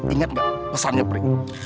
ingat nggak pesannya prih